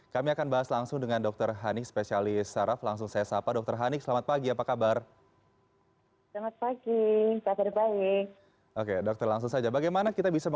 kami akan bahas langsung dengan dr hanik spesialis saraf langsung saya sapa dr hanik selamat pagi apa kabar